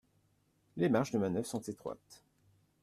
Les marges de manœuvre sont étroites.